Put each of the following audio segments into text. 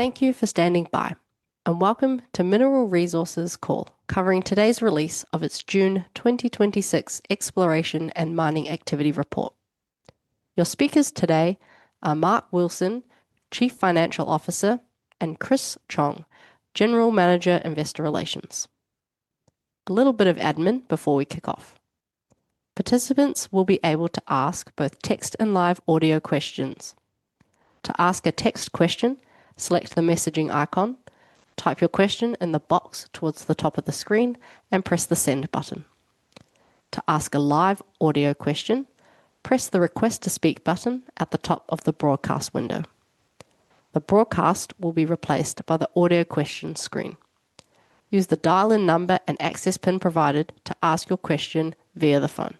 Thank you for standing by. Welcome to Mineral Resources Call, covering today's release of its June 2026 Exploration and Mining Activity Report. Your speakers today are Mark Wilson, Chief Financial Officer, and Chris Chong, General Manager, Investor Relations. A little bit of admin before we kick off. Participants will be able to ask both text and live audio questions. To ask a text question, select the messaging icon, type your question in the box towards the top of the screen, and press the send button. To ask a live audio question, press the Request to Speak button at the top of the broadcast window. The broadcast will be replaced by the audio questions screen. Use the dial-in number and access PIN provided to ask your question via the phone.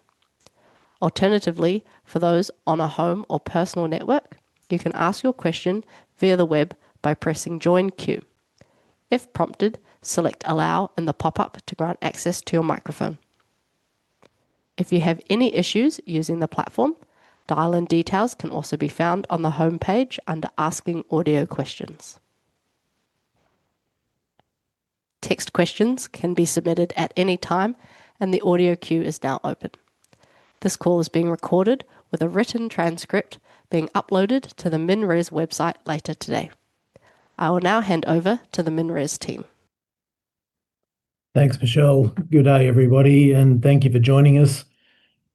Alternatively, for those on a home or personal network, you can ask your question via the web by pressing Join Queue. If prompted, select Allow in the pop-up to grant access to your microphone. If you have any issues using the platform, dial-in details can also be found on the homepage under Asking Audio Questions. Text questions can be submitted at any time. The audio queue is now open. This call is being recorded with a written transcript being uploaded to the MinRes website later today. I will now hand over to the MinRes team. Thanks, Michelle. Good day, everybody, and thank you for joining us.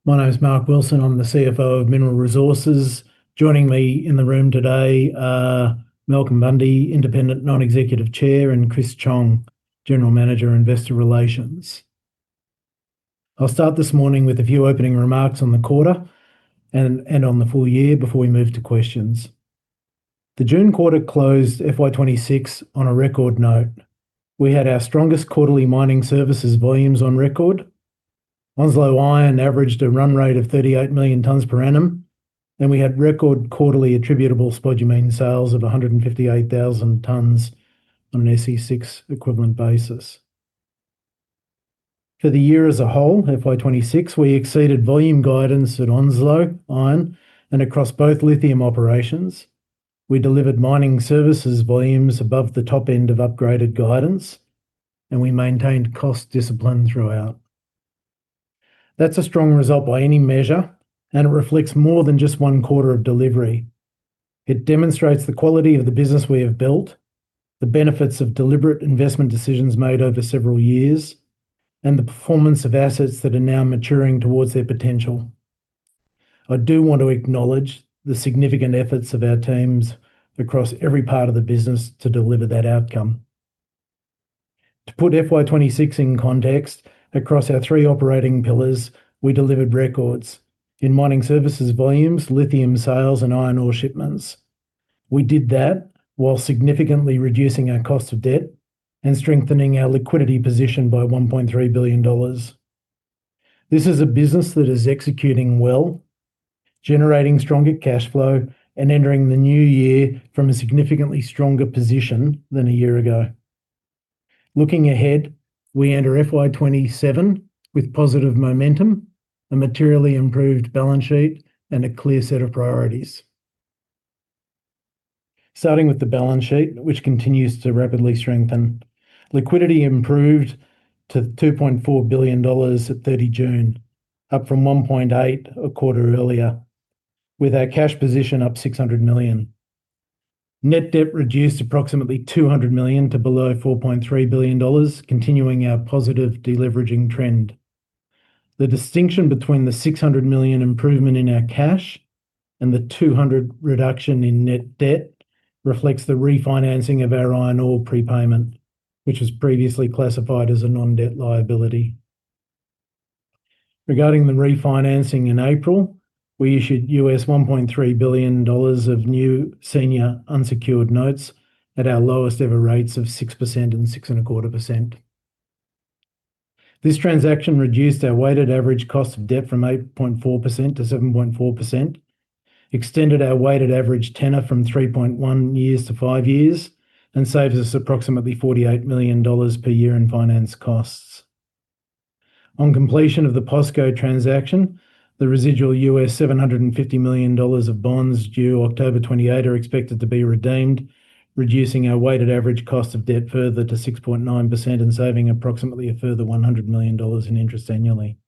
My name's Mark Wilson. I'm the CFO of Mineral Resources. Joining me in the room today are Malcolm Bundey, Independent Non-Executive Chair, and Chris Chong, General Manager, Investor Relations. I'll start this morning with a few opening remarks on the quarter and on the full year before we move to questions. The June quarter closed FY 2026 on a record note. We had our strongest quarterly Mining Services volumes on record. Onslow Iron averaged a run rate of 38 million tons per annum, and we had record quarterly attributable spodumene sales of 158,000 tons on an SC6 equivalent basis. For the year as a whole, FY 2026, we exceeded volume guidance at Onslow Iron and across both lithium operations. We delivered Mining Services volumes above the top end of upgraded guidance, and we maintained cost discipline throughout. That's a strong result by any measure, and it reflects more than just one quarter of delivery. It demonstrates the quality of the business we have built, the benefits of deliberate investment decisions made over several years, and the performance of assets that are now maturing towards their potential. I do want to acknowledge the significant efforts of our teams across every part of the business to deliver that outcome. To put FY 2026 in context, across our three operating pillars, we delivered records in Mining Services volumes, lithium sales, and iron ore shipments. We did that while significantly reducing our cost of debt and strengthening our liquidity position by 1.3 billion dollars. This is a business that is executing well, generating stronger cash flow, and entering the new year from a significantly stronger position than a year ago. Looking ahead, we enter FY 2027 with positive momentum, a materially improved balance sheet, and a clear set of priorities. Starting with the balance sheet, which continues to rapidly strengthen. Liquidity improved to 2.4 billion dollars at 30 June, up from 1.8 billion a quarter earlier, with our cash position up 600 million. Net debt reduced approximately 200 million to below 4.3 billion dollars, continuing our positive deleveraging trend. The distinction between the 600 million improvement in our cash and the 200 million reduction in net debt reflects the refinancing of our iron ore prepayment, which was previously classified as a non-debt liability. Regarding the refinancing in April, we issued US$1.3 billion of new Senior Unsecured Notes at our lowest-ever rates of 6% and 6.25%. This transaction reduced our weighted average cost of debt from 8.4% to 7.4%, extended our weighted average tenor from 3.1 years to five years, and saves us approximately 48 million dollars per year in finance costs. On completion of the POSCO transaction, the residual $750 million of bonds due October 28 are expected to be redeemed, reducing our weighted average cost of debt further to 6.9% and saving approximately a further 100 million dollars in interest annually.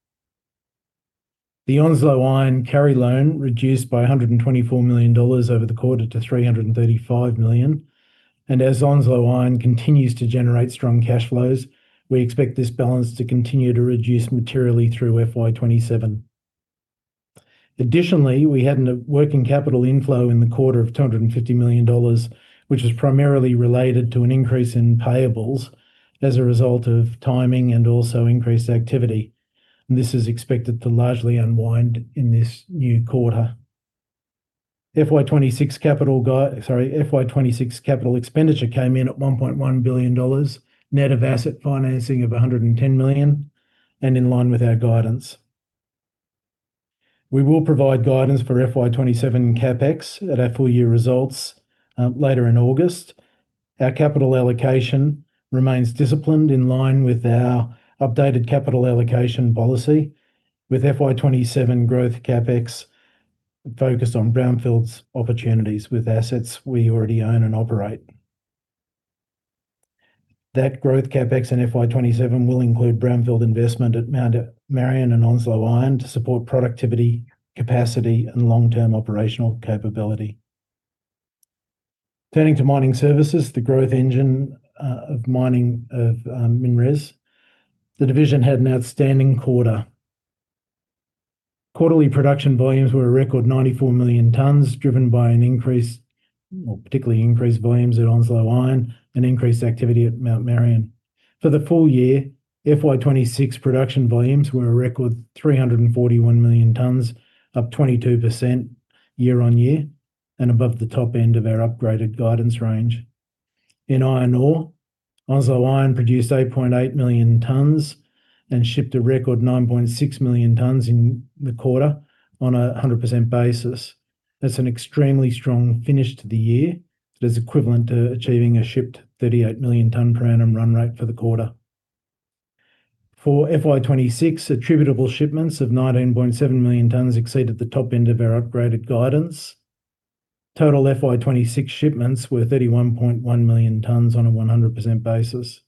The Onslow Iron carry loan reduced by 124 million dollars over the quarter to 335 million, and as Onslow Iron continues to generate strong cash flows, we expect this balance to continue to reduce materially through FY 2027. Additionally, we had a working capital inflow in the quarter of 250 million dollars, which was primarily related to an increase in payables as a result of timing and also increased activity. This is expected to largely unwind in this new quarter. FY 2026 capital expenditure came in at AUD 1.1 billion, net of asset financing of AUD 110 million and in line with our guidance. We will provide guidance for FY 2027 CapEx at our full year results later in August. Our capital allocation remains disciplined, in line with our updated capital allocation policy, with FY 2027 growth CapEx focused on brownfields opportunities with assets we already own and operate. That growth CapEx in FY 2027 will include brownfield investment at Mount Marion and Onslow Iron to support productivity, capacity, and long-term operational capability. Turning to Mining Services, the growth engine of MinRes, the division had an outstanding quarter. Quarterly production volumes were a record 94 million tons, driven by an increase, well particularly increased volumes at Onslow Iron and increased activity at Mount Marion. For the full year, FY 2026 production volumes were a record 341 million tons, up 22% year-over-year and above the top end of our upgraded guidance range. In iron ore, Onslow Iron produced 8.8 million tons and shipped a record 9.6 million tons in the quarter on a 100% basis. That's an extremely strong finish to the year. It is equivalent to achieving a shipped 38 million ton per annum run rate for the quarter. For FY 2026, attributable shipments of 19.7 million tons exceeded the top end of our upgraded guidance. Total FY 2026 shipments were 31.1 million tons on a 100% basis.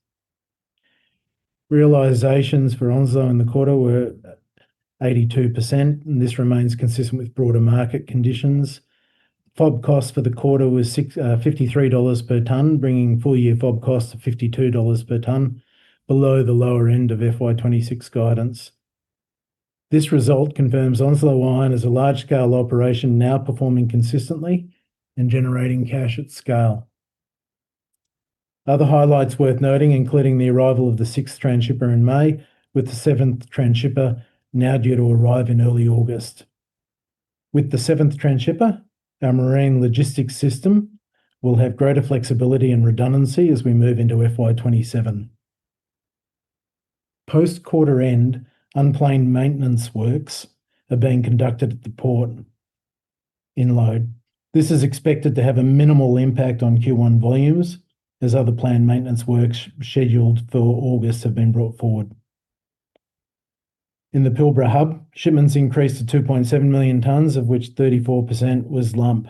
Realizations for Onslow in the quarter were 82%. This remains consistent with broader market conditions. FOB cost for the quarter was 53 dollars per ton, bringing full year FOB costs to 52 dollars per ton, below the lower end of FY 2026 guidance. This result confirms Onslow Iron is a large scale operation now performing consistently and generating cash at scale. Other highlights worth noting, including the arrival of the sixth transhipper in May, with the seventh transhipper now due to arrive in early August. With the seventh transhipper, our marine logistics system will have greater flexibility and redundancy as we move into FY 2027. Post quarter end, unplanned maintenance works are being conducted at the port and load-out. This is expected to have a minimal impact on Q1 volumes, as other planned maintenance works scheduled for August have been brought forward. In the Pilbara hub, shipments increased to 2.7 million tons, of which 34% was lump,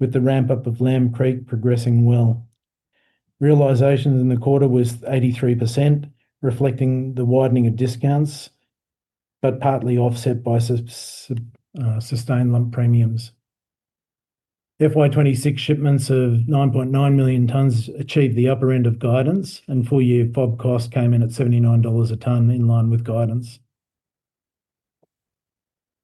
with the ramp up of Lamb Creek progressing well. Realizations in the quarter were 83%, reflecting the widening of discounts, partly offset by sustained lump premiums. FY 2026 shipments of 9.9 million tons achieved the upper end of guidance. Full year FOB cost came in at 79 dollars a ton, in line with guidance.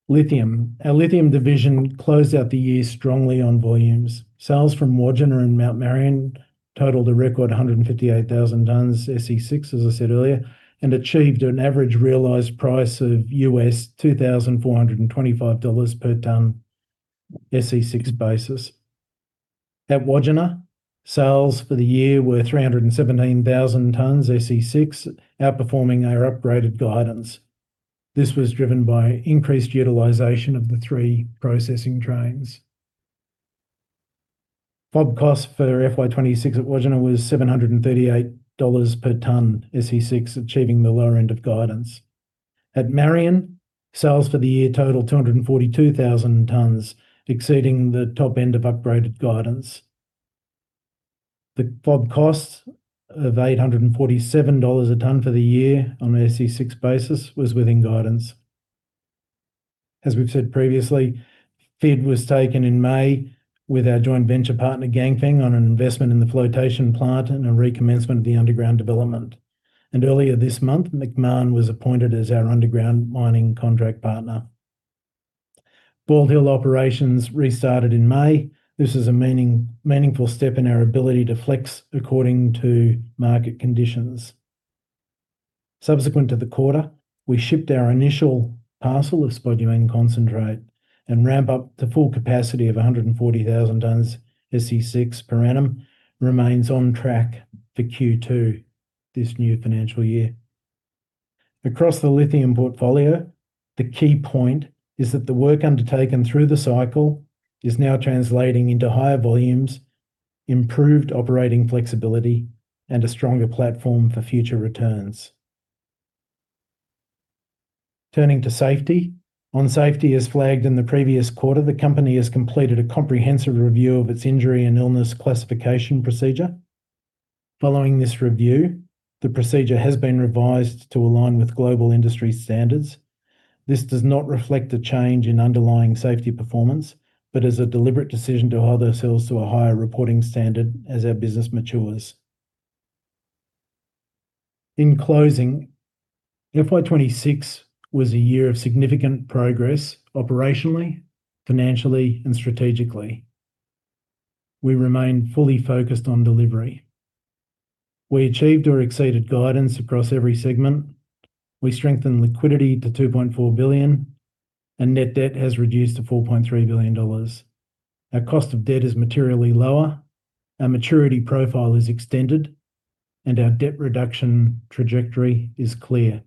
Lithium. Our lithium division closed out the year strongly on volumes. Sales from Wodgina and Mount Marion totaled a record 158,000 tons SC6, as I said earlier, achieved an average realized price of $2,425 per ton SC6 basis. At Wodgina, sales for the year were 317,000 tons SC6, outperforming our upgraded guidance. This was driven by increased utilization of the three processing trains. FOB cost for FY 2026 at Wodgina was AUD 738 per ton SC6, achieving the lower end of guidance. At Marion, sales for the year totaled 242,000 tons, exceeding the top end of upgraded guidance. The FOB cost of 847 dollars a ton for the year on an SC6 basis was within guidance. As we've said previously, FID was taken in May with our joint venture partner, Ganfeng, on an investment in the flotation plant and a recommencement of the underground development. Earlier this month, Macmahon was appointed as our underground mining contract partner. Bald Hill operations restarted in May. This is a meaningful step in our ability to flex according to market conditions. Subsequent to the quarter, we shipped our initial parcel of spodumene concentrate, and ramp up to full capacity of 140,000 tons SC6 per annum remains on track for Q2 this new financial year. Across the lithium portfolio, the key point is that the work undertaken through the cycle is now translating into higher volumes, improved operating flexibility, and a stronger platform for future returns. Turning to safety. On safety, as flagged in the previous quarter, the company has completed a comprehensive review of its injury and illness classification procedure. Following this review, the procedure has been revised to align with global industry standards. This does not reflect a change in underlying safety performance, but is a deliberate decision to hold ourselves to a higher reporting standard as our business matures. In closing, FY 2026 was a year of significant progress operationally, financially, and strategically. We remain fully focused on delivery. We achieved or exceeded guidance across every segment. We strengthened liquidity to 2.4 billion and net debt has reduced to 4.3 billion dollars. Our cost of debt is materially lower, our maturity profile is extended, and our debt reduction trajectory is clear.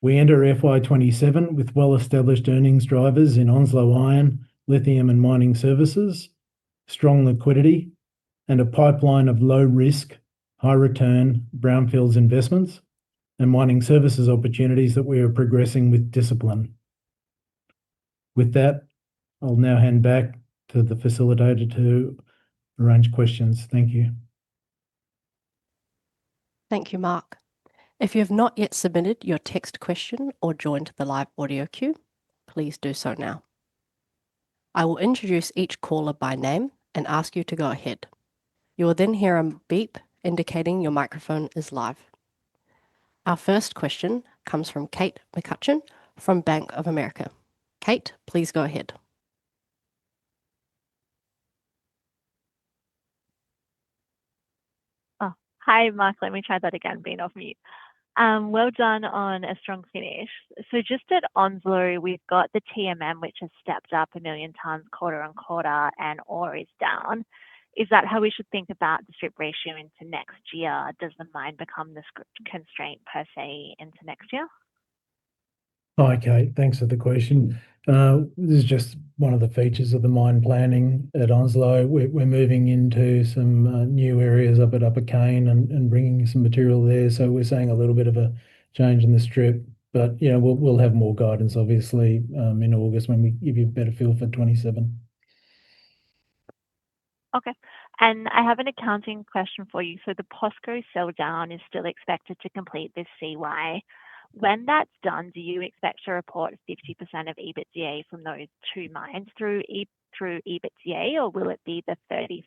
We enter FY 2027 with well-established earnings drivers in Onslow Iron, lithium and mining services, strong liquidity, and a pipeline of low risk, high return brownfields investments and mining services opportunities that we are progressing with discipline. With that, I'll now hand back to the facilitator to arrange questions. Thank you. Thank you, Mark. If you have not yet submitted your text question or joined the live audio queue, please do so now. I will introduce each caller by name and ask you to go ahead. You will then hear a beep indicating your microphone is live. Our first question comes from Kate McCutcheon from Bank of America. Kate, please go ahead. Hi Mark. Let me try that again, being off mute. Well done on a strong finish. Just at Onslow, we've got the TMM which has stepped up 1 million tons quarter-on-quarter and ore is down. Is that how we should think about the strip ratio into next year? Does the mine become the constraint per se into next year? Hi Kate. Thanks for the question. This is just one of the features of the mine planning at Onslow. We're moving into some new areas up at Upper Cane and bringing some material there. We're seeing a little bit of a change in the strip. We'll have more guidance, obviously, in August when we give you a better feel for 2027. I have an accounting question for you. The POSCO sell down is still expected to complete this CY. When that's done, do you expect to report 50% of EBITDA from those two mines through EBITDA, or will it be the 35%?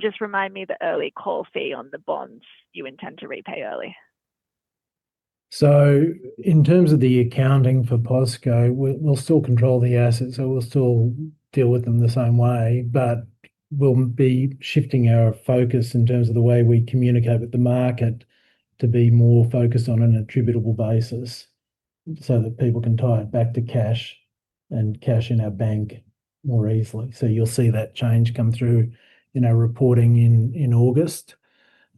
Just remind me of the early call fee on the bonds you intend to repay early. In terms of the accounting for POSCO, we'll still control the assets, we'll still deal with them the same way. We'll be shifting our focus in terms of the way we communicate with the market to be more focused on an attributable basis that people can tie it back to cash and cash in our bank more easily. You'll see that change come through in our reporting in August.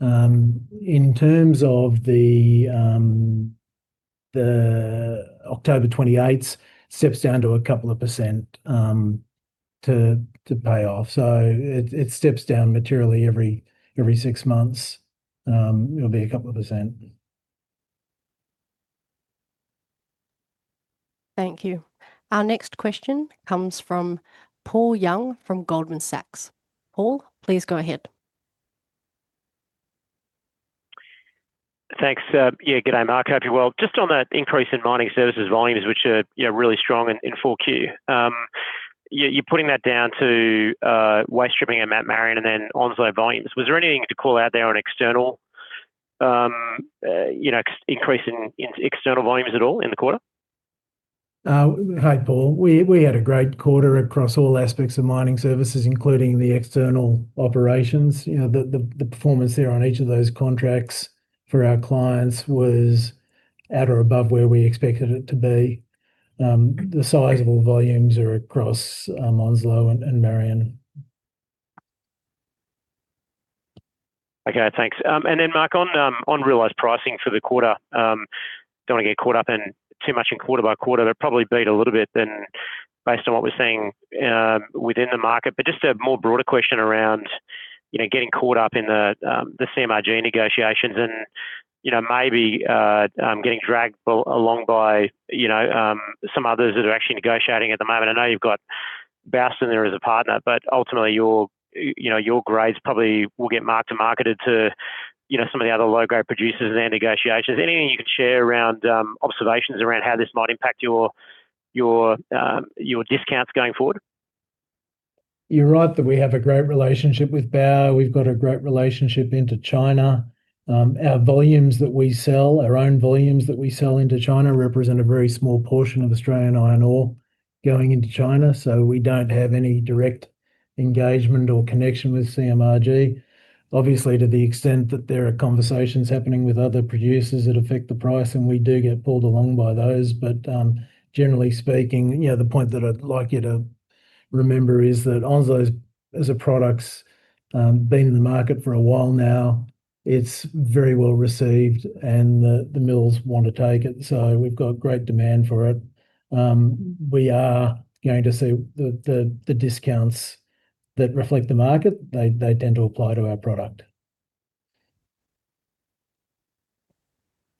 In terms of the October 28th, steps down to a couple of percent to pay off. It steps down materially every six months. It'll be a couple of percent. Thank you. Our next question comes from Paul Young from Goldman Sachs. Paul, please go ahead. Thanks. Yeah, good day, Mark. I hope you're well. Just on that increase in Mining Services volumes, which are really strong in 4Q. You're putting that down to waste stripping at Mount Marion and then Onslow volumes. Was there anything to call out there on external increase in external volumes at all in the quarter? Hi, Paul. We had a great quarter across all aspects of Mining Services, including the external operations. The performance there on each of those contracts for our clients was at or above where we expected it to be. The sizable volumes are across Onslow and Marion. Okay, thanks. Mark, on realized pricing for the quarter, don't want to get caught up in too much in quarter by quarter, but probably beat a little bit than based on what we're seeing within the market. Just a more broader question around getting caught up in the CMRG negotiations and maybe getting dragged along by some others that are actually negotiating at the moment. I know you've got Baowu in there as a partner, but ultimately, your grades probably will get marked and marketed to some of the other low-grade producers and their negotiations. Anything you can share around observations around how this might impact your discounts going forward? You're right that we have a great relationship with Baowu. We've got a great relationship into China. Our volumes that we sell, our own volumes that we sell into China represent a very small portion of Australian iron ore going into China. We don't have any direct engagement or connection with CMRG. To the extent that there are conversations happening with other producers that affect the price, and we do get pulled along by those. Generally speaking, the point that I'd like you to remember is that Onslow, as a product's been in the market for a while now. It's very well-received, and the mills want to take it. We've got great demand for it. We are going to see the discounts that reflect the market. They tend to apply to our product.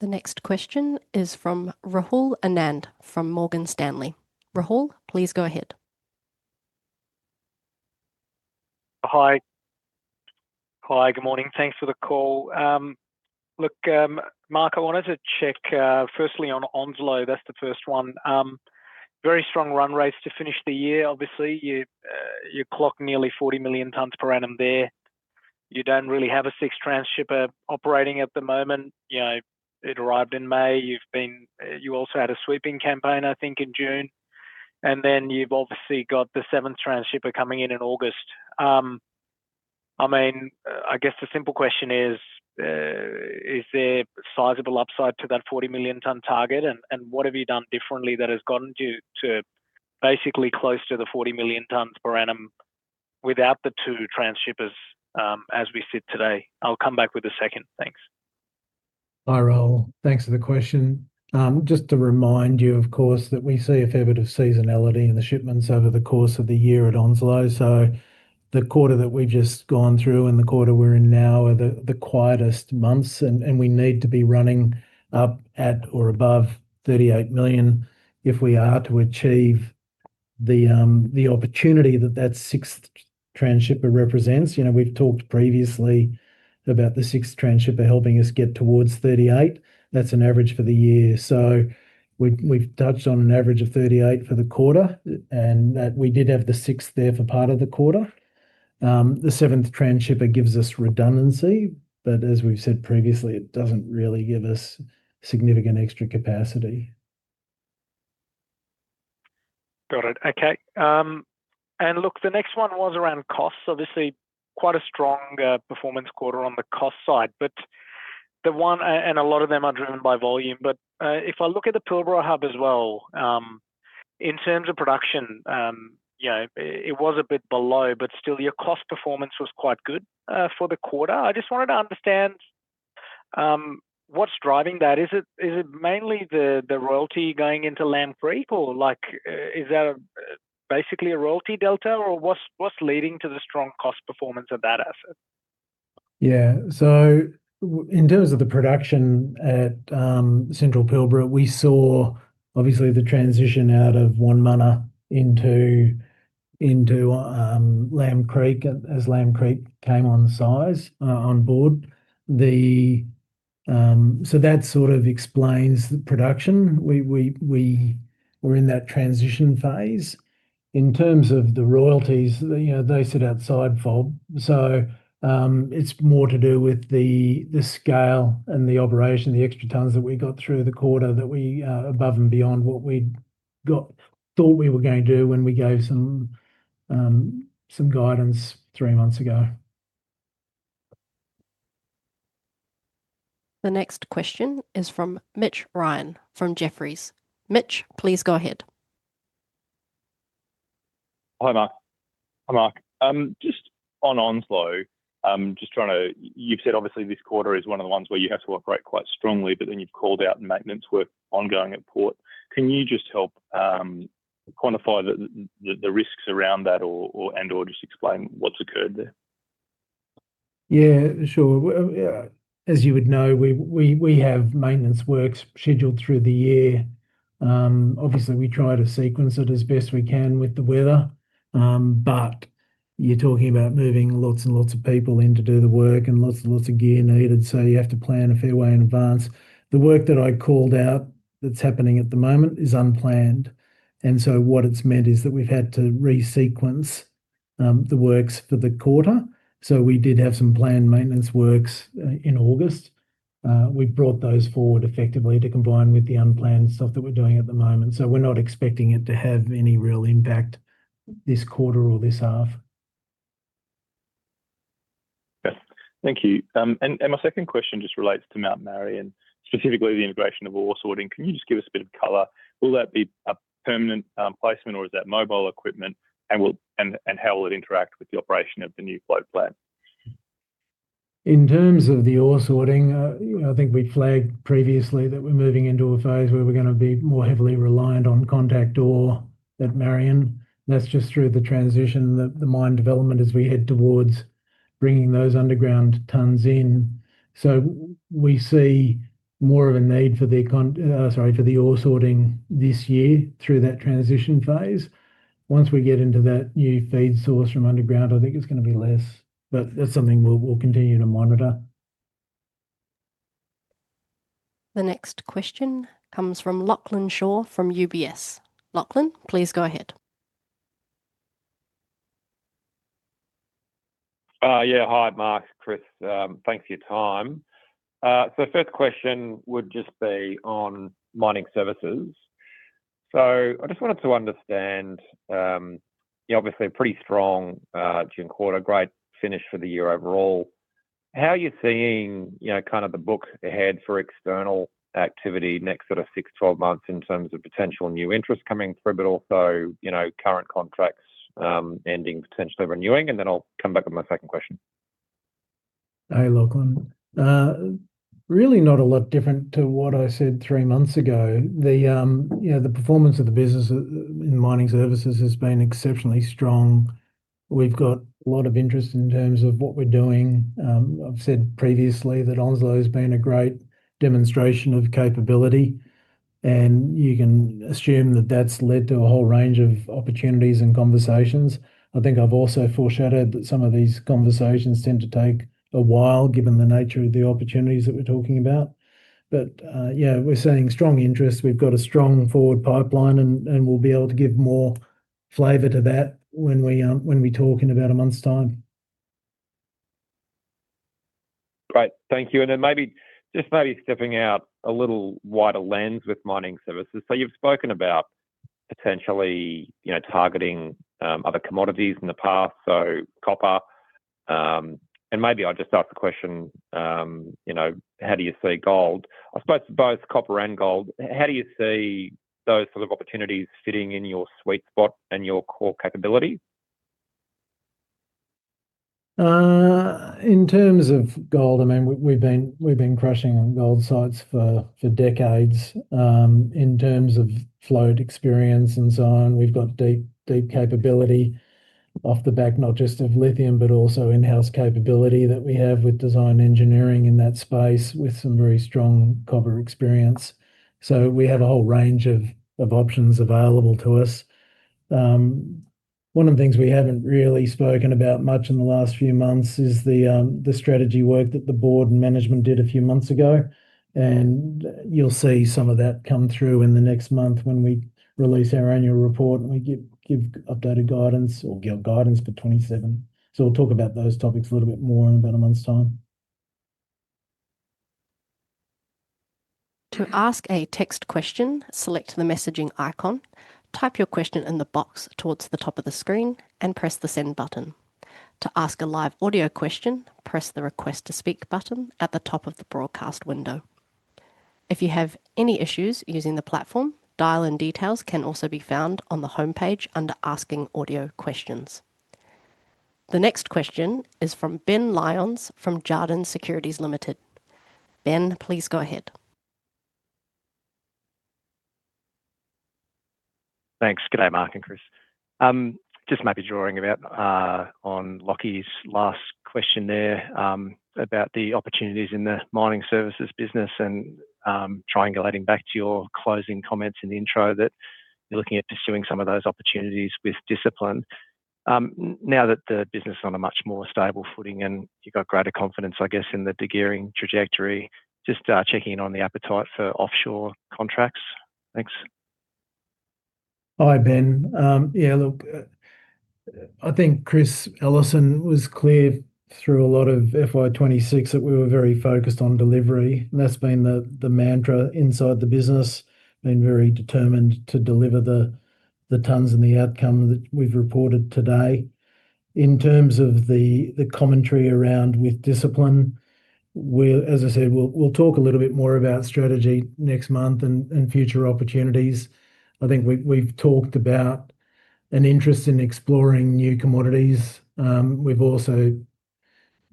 The next question is from Rahul Anand from Morgan Stanley. Rahul, please go ahead. Hi. Good morning. Thanks for the call. Mark, I wanted to check firstly on Onslow. That's the first one. Very strong run rates to finish the year, obviously. You clocked nearly 40 million tons per annum there. You don't really have a sixth transhipper operating at the moment. It arrived in May. You also had a sweeping campaign, I think, in June. You've obviously got the seventh transhipper coming in in August. I guess the simple question is there sizable upside to that 40-million-ton target? What have you done differently that has gotten you to basically close to the 40 million tons per annum without the two transhippers as we sit today? I'll come back with a second. Thanks. Hi, Rahul. Thanks for the question. Just to remind you, of course, that we see a fair bit of seasonality in the shipments over the course of the year at Onslow. The quarter that we've just gone through and the quarter we're in now are the quietest months, and we need to be running up at or above 38 million if we are to achieve the opportunity that sixth transhipper represents. We've talked previously about the sixth transhipper helping us get towards 38. That's an average for the year. We've touched on an average of 38 for the quarter, and we did have the sixth there for part of the quarter. The seventh transhipper gives us redundancy, as we've said previously, it doesn't really give us significant extra capacity. Got it. Okay. Look, the next one was around costs. Obviously, quite a strong performance quarter on the cost side. A lot of them are driven by volume. If I look at the Pilbara hub as well in terms of production, it was a bit below, but still your cost performance was quite good for the quarter. I just wanted to understand what is driving that. Is it mainly the royalty going into Lamb Creek, or is that basically a royalty delta, or what is leading to the strong cost performance of that asset? Yeah. In terms of the production at Central Pilbara, we saw obviously the transition out of Wonmunna into Lamb Creek, as Lamb Creek came on board. That sort of explains the production. We are in that transition phase. In terms of the royalties, they sit outside FOB. It is more to do with the scale and the operation, the extra tons that we got through the quarter, above and beyond what we thought we were going to do when we gave some guidance three months ago. The next question is from Mitch Ryan from Jefferies. Mitch, please go ahead. Hi, Mark. Just on Onslow, you have said obviously this quarter is one of the ones where you have to operate quite strongly, then you have called out maintenance work ongoing at port. Can you just help quantify the risks around that and/or just explain what has occurred there? Yeah, sure. As you would know, we have maintenance works scheduled through the year. Obviously, we try to sequence it as best we can with the weather. You are talking about moving lots and lots of people in to do the work and lots and lots of gear needed, so you have to plan a fair way in advance. The work that I called out that is happening at the moment is unplanned, what it has meant is that we have had to resequence the works for the quarter. We did have some planned maintenance works, in August. We have brought those forward effectively to combine with the unplanned stuff that we are doing at the moment. We are not expecting it to have any real impact this quarter or this half. Yes. Thank you. My second question just relates to Mount Marion, specifically the integration of ore sorting. Can you just give us a bit of color? Will that be a permanent placement or is that mobile equipment? How will it interact with the operation of the new flow plan? In terms of the ore sorting, I think we flagged previously that we are moving into a phase where we are going to be more heavily reliant on contact ore at Marion. That is just through the transition, the mine development as we head towards bringing those underground tons in. We see more of a need for the ore sorting this year through that transition phase. Once we get into that new feed source from underground, I think it is going to be less. That is something we will continue to monitor. The next question comes from Lachlan Shaw from UBS. Lachlan, please go ahead. Yeah. Hi, Mark, Chris. Thanks for your time. First question would just be on Mining Services. I just wanted to understand, obviously a pretty strong June quarter, great finish for the year overall. How are you seeing the book ahead for external activity next sort of six, 12 months in terms of potential new interest coming through, but also current contracts ending, potentially renewing? Then I'll come back with my second question. Hey, Lachlan. Really not a lot different to what I said three months ago. The performance of the business in Mining Services has been exceptionally strong. We've got a lot of interest in terms of what we're doing. I've said previously that Onslow's been a great demonstration of capability. You can assume that that's led to a whole range of opportunities and conversations. I think I've also foreshadowed that some of these conversations tend to take a while, given the nature of the opportunities that we're talking about. Yeah, we're seeing strong interest. We've got a strong forward pipeline, and we'll be able to give more flavor to that when we talk in about a month's time. Great. Thank you. Then just maybe stepping out a little wider lens with Mining Services. You've spoken about potentially targeting other commodities in the past, copper. Maybe I'll just ask the question, how do you see gold? I suppose for both copper and gold, how do you see those sort of opportunities fitting in your sweet spot and your core capability? In terms of gold, we've been crushing gold sites for decades. In terms of float experience and so on, we've got deep capability off the back not just of lithium, but also in-house capability that we have with design engineering in that space with some very strong copper experience. We have a whole range of options available to us. One of the things we haven't really spoken about much in the last few months is the strategy work that the board and management did a few months ago. You'll see some of that come through in the next month when we release our annual report and we give updated guidance or give guidance for 2027. We'll talk about those topics a little bit more in about a month's time. To ask a text question, select the messaging icon, type your question in the box towards the top of the screen, and press the send button. To ask a live audio question, press the Request to Speak button at the top of the broadcast window. If you have any issues using the platform, dial-in details can also be found on the homepage under Asking Audio Questions. The next question is from Ben Lyons from Jarden Securities Limited. Ben, please go ahead. Thanks. Good day, Mark and Chris. Maybe drawing about on Lachie's last question there about the opportunities in the Mining Services business and triangulating back to your closing comments in the intro that you're looking at pursuing some of those opportunities with discipline. Now that the business is on a much more stable footing and you've got greater confidence, I guess, in the degearing trajectory, just checking in on the appetite for offshore contracts. Thanks. Hi, Ben. Yeah, look, I think Chris Ellison was clear through a lot of FY 2026 that we were very focused on delivery, and that's been the mantra inside the business. We've been very determined to deliver the tons and the outcome that we've reported today. In terms of the commentary around with discipline, as I said, we'll talk a little bit more about strategy next month and future opportunities. I think we've talked about an interest in exploring new commodities. We've also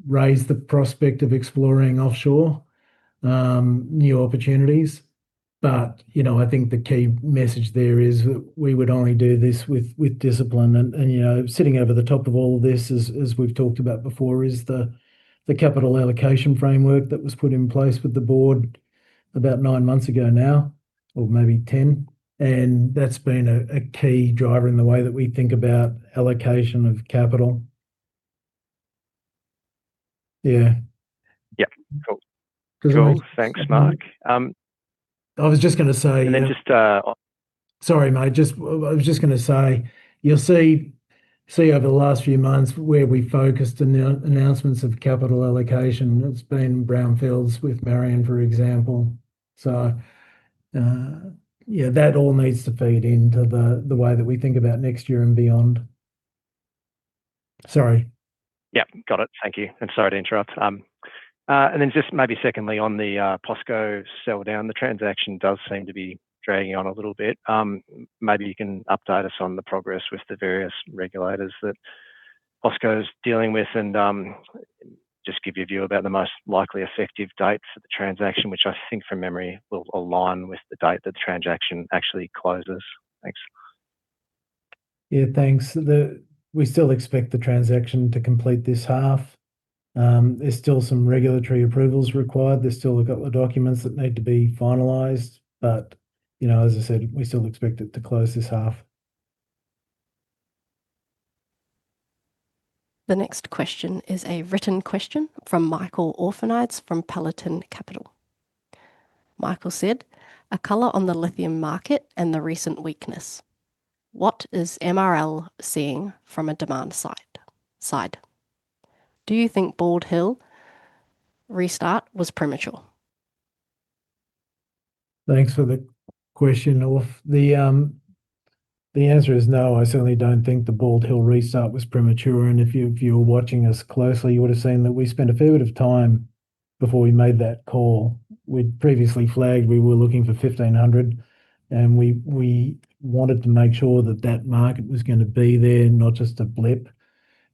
raised the prospect of exploring offshore new opportunities. I think the key message there is that we would only do this with discipline. Sitting over the top of all this, as we've talked about before, is the capital allocation framework that was put in place with the board about nine months ago now, or maybe 10. That's been a key driver in the way that we think about allocation of capital. Yeah. Yeah. Cool. Does that make sense? Cool. Thanks, Mark. I was just going to say. And then just- Sorry, mate, I was just going to say, you'll see over the last few months where we focused announcements of capital allocation, it's been brownfields with Mount Marion, for example. Yeah, that all needs to feed into the way that we think about next year and beyond. Sorry. Yep. Got it. Thank you. Sorry to interrupt. Just maybe secondly on the POSCO sell down, the transaction does seem to be dragging on a little bit. Maybe you can update us on the progress with the various regulators that POSCO's dealing with and just give your view about the most likely effective dates for the transaction, which I think from memory will align with the date the transaction actually closes. Thanks. Yeah, thanks. We still expect the transaction to complete this half. There's still some regulatory approvals required. There's still a couple of documents that need to be finalized. As I said, we still expect it to close this half. The next question is a written question from Michael Orphanides from Paladin Capital. Michael said, "A color on the lithium market and the recent weakness. What is MRL seeing from a demand side? Do you think Bald Hill restart was premature? Thanks for the question, Orph. The answer is no, I certainly don't think the Bald Hill restart was premature, if you were watching us closely, you would've seen that we spent a fair bit of time before we made that call. We'd previously flagged we were looking for 1,500, we wanted to make sure that that market was going to be there, not just a blip.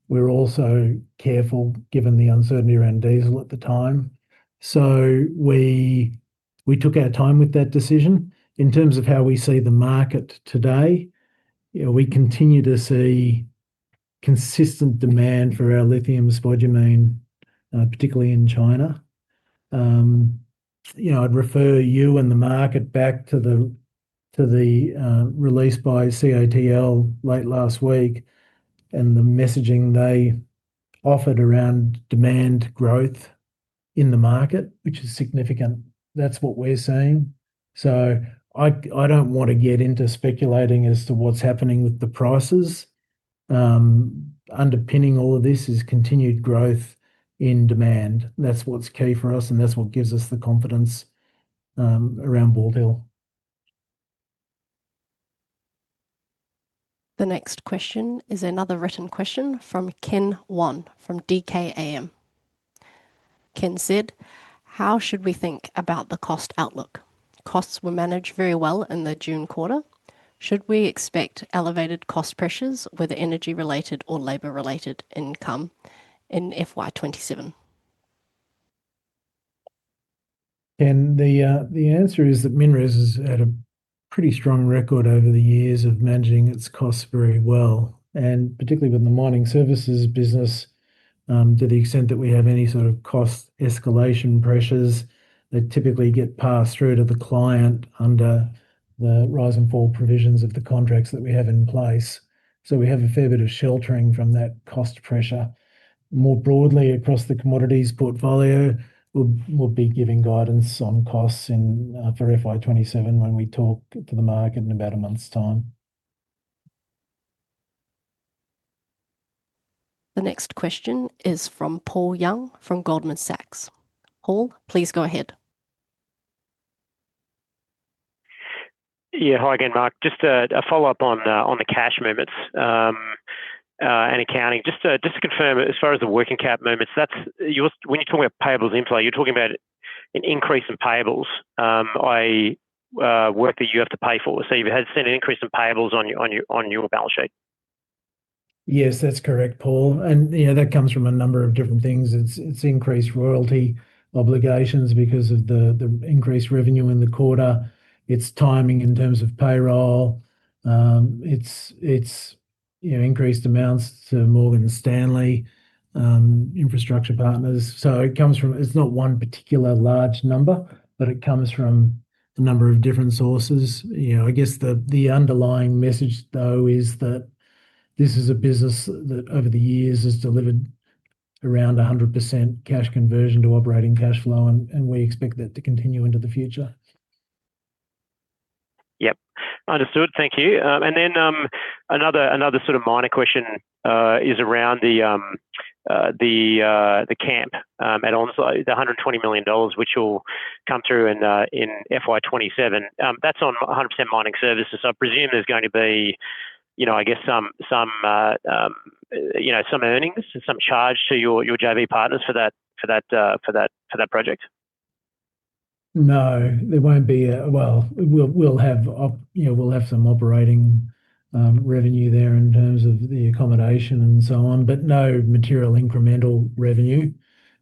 We're also careful, given the uncertainty around diesel at the time. We took our time with that decision. In terms of how we see the market today, we continue to see consistent demand for our lithium spodumene, particularly in China. I'd refer you and the market back to the release by CATL late last week and the messaging they offered around demand growth in the market, which is significant. That's what we're seeing. I don't want to get into speculating as to what's happening with the prices. Underpinning all of this is continued growth in demand. That's what's key for us, and that's what gives us the confidence around Bald Hill. The next question is another written question from Ken Wan from DKAM. Ken said, "How should we think about the cost outlook? Costs were managed very well in the June quarter. Should we expect elevated cost pressures, whether energy-related or labor-related income in FY 2027? Ken, the answer is that MinRes has had a pretty strong record over the years of managing its costs very well. Particularly within the Mining Services business, to the extent that we have any sort of cost escalation pressures, they typically get passed through to the client under the rise and fall provisions of the contracts that we have in place. We have a fair bit of sheltering from that cost pressure. More broadly across the commodities portfolio, we'll be giving guidance on costs for FY 2027 when we talk to the market in about a month's time. The next question is from Paul Young from Goldman Sachs. Paul, please go ahead. Yeah. Hi again, Mark. Just a follow-up on the cash movements and accounting. Just to confirm, as far as the working cap movements, when you're talking about payables inflow, you're talking about an increase in payables by work that you have to pay for. You have seen an increase in payables on your balance sheet. Yes, that's correct, Paul, that comes from a number of different things. It's increased royalty obligations because of the increased revenue in the quarter. It's timing in terms of payroll. It's increased amounts to Morgan Stanley Infrastructure Partners. It's not one particular large number, but it comes from a number of different sources. I guess the underlying message, though, is that this is a business that over the years has delivered around 100% cash conversion to operating cash flow, and we expect that to continue into the future. Yep. Understood. Thank you. Another sort of minor question is around the camp at Onslow, the 120 million dollars, which will come through in FY 2027. That's on 100% Mining Services. I presume there's going to be, I guess, some earnings and some charge to your JV partners for that project. No. There won't be. Well, we'll have some operating revenue there in terms of the accommodation and so on, but no material incremental revenue.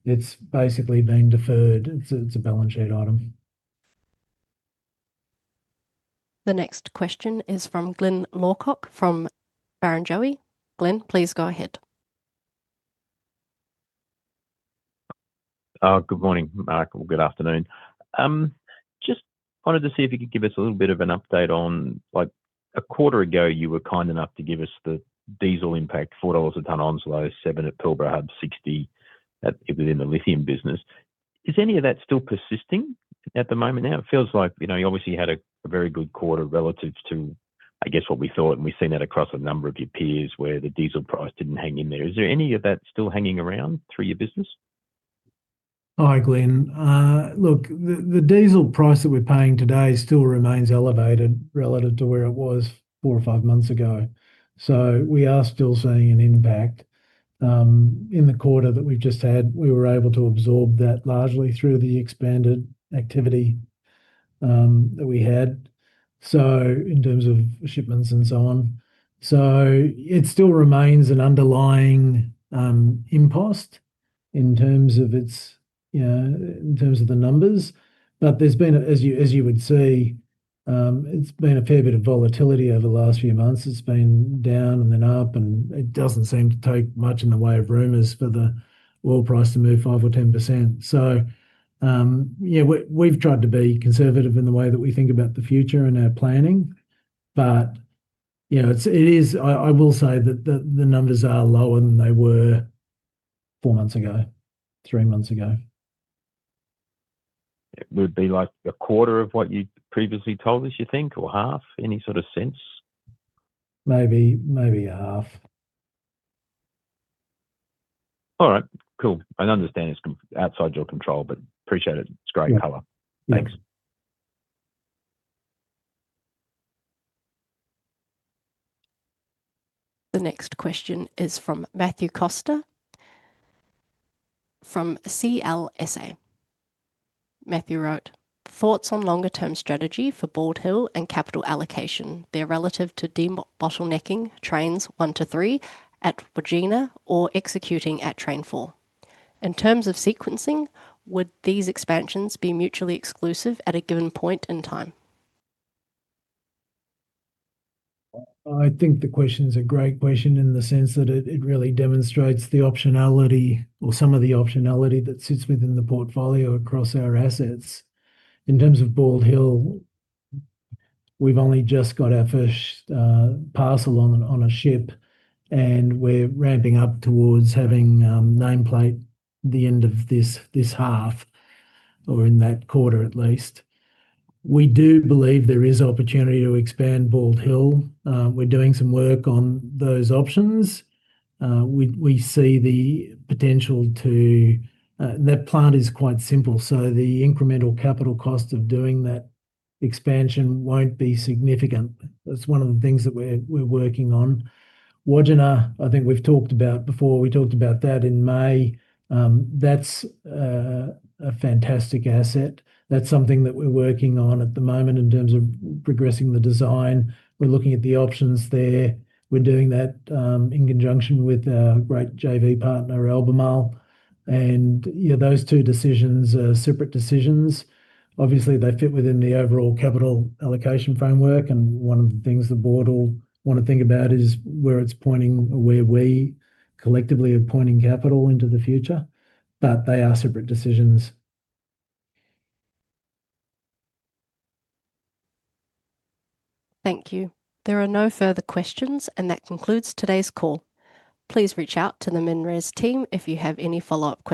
It's basically being deferred. It's a balance sheet item. The next question is from Glyn Lawcock from Barrenjoey. Glyn, please go ahead. Good morning, Mark. Or good afternoon. Just wanted to see if you could give us a little bit of an update on, a quarter ago, you were kind enough to give us the diesel impact, 4 dollars a ton Onslow, 7 at Pilbara, 60 within the lithium business. Is any of that still persisting at the moment now? It feels like you obviously had a very good quarter relative to, I guess, what we thought, and we've seen that across a number of your peers where the diesel price didn't hang in there. Is there any of that still hanging around through your business? Hi, Glyn. Look, the diesel price that we're paying today still remains elevated relative to where it was four or five months ago. We are still seeing an impact. In the quarter that we've just had, we were able to absorb that largely through the expanded activity that we had, so in terms of shipments and so on. It still remains an underlying impost in terms of the numbers. As you would see, it's been a fair bit of volatility over the last few months. It's been down and then up, and it doesn't seem to take much in the way of rumors for the oil price to move five or 10%. We've tried to be conservative in the way that we think about the future and our planning. I will say that the numbers are lower than they were four months ago, three months ago. It would be like a quarter of what you previously told us, you think, or half? Any sort of sense? Maybe half. All right, cool. I understand it's outside your control, but appreciate it. It's great color. Yeah. Thanks. The next question is from Matthew Costa from CLSA. Matthew wrote, "Thoughts on longer-term strategy for Bald Hill and capital allocation there relative to de-bottlenecking Trains 1 to 3 at Wodgina or executing at Train 4. In terms of sequencing, would these expansions be mutually exclusive at a given point in time? I think the question is a great question in the sense that it really demonstrates the optionality or some of the optionality that sits within the portfolio across our assets. In terms of Bald Hill, we've only just got our first parcel on a ship, and we're ramping up towards having nameplate the end of this half or in that quarter at least. We do believe there is opportunity to expand Bald Hill. We're doing some work on those options. We see the potential to. That plant is quite simple, so the incremental capital cost of doing that expansion won't be significant. That's one of the things that we're working on. Wodgina, I think we've talked about before. We talked about that in May. That's a fantastic asset. That's something that we're working on at the moment in terms of progressing the design. We're looking at the options there. We're doing that in conjunction with our great JV partner, Albemarle. Those two decisions are separate decisions. Obviously, they fit within the overall capital allocation framework, and one of the things the board will want to think about is where it's pointing, where we collectively are pointing capital into the future. They are separate decisions. Thank you. There are no further questions, and that concludes today's call. Please reach out to the MinRes team if you have any follow-up.